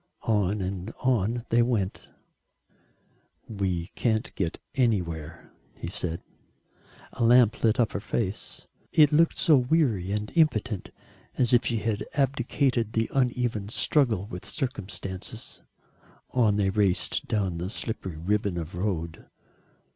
On and on they went. "We can't get anywhere," he said. A lamp lit up her face. It looked so weary and impotent as if she had abdicated the uneven struggle with circumstances. On they raced, down the slippery ribbon of road.